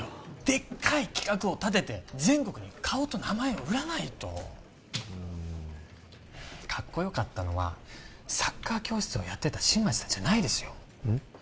でっかい企画を立てて全国に顔と名前を売らないとうんカッコよかったのはサッカー教室をやってた新町さんじゃないですようん？